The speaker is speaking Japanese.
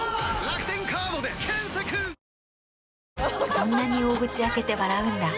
そんなに大口開けて笑うんだ。